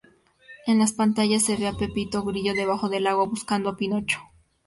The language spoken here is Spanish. En las pantallas se ve a Pepito grillo debajo del agua buscando a Pinocho.